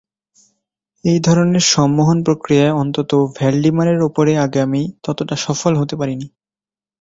এই ধরনের সম্মোহন প্রক্রিয়ায় অন্তত ভ্যালডিমারের ওপরে আগে আমি ততটা সফল হতে পারিনি।